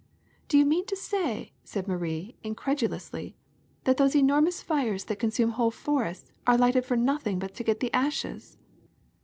'' '^Do you mean to say," said Marie, incredulously, *^that those enormous fires that consume whole forests are lighted for nothing but to get the ashes?''